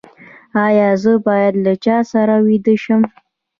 ایا زه باید له چا سره ویده شم؟